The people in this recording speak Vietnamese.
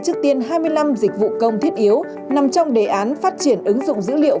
trước tiên hai mươi năm dịch vụ công thiết yếu nằm trong đề án phát triển ứng dụng dữ liệu